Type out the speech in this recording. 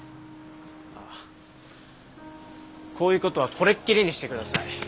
あこういうことはこれっきりにしてください。